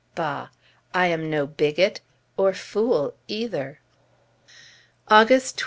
Bah! I am no bigot! or fool either.... August 23d.